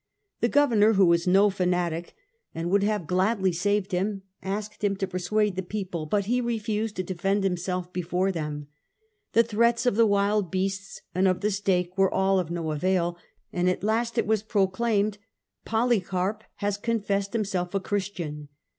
* The governor, who was no fanatic, and would have 142 The Age of the Antonines, ch. vi. gladly saved him, asked him to persuade the people, but he refused to defend himself before them. The threats of the wild beasts and of the stake were all of no avail, and at last it was proclaimed ' Polycarp has confessed himself a Christian.